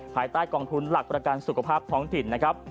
ภายใต้กองทุนหลักประกันสุขภาพท้องถิ่นนะครับ